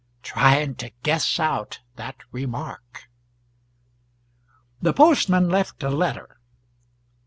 Trying to guess out that remark. The postman left a letter.